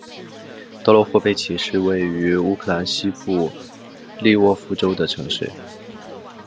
德罗霍贝奇是位于乌克兰西部利沃夫州的城市。